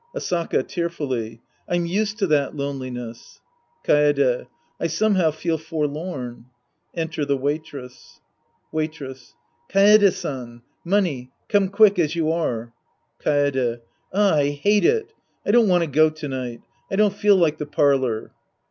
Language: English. Asaka (tearfully). I'm used to that loneliness. Kaede. I somehow feel forlorn. {Enter the Waitress^ Waitress. Kaede San. Money ; come quick, as you are. Kaede. Ah, I hate it. I don't want to go to night. I don't feel like the parlor.